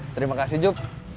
terima kasih jub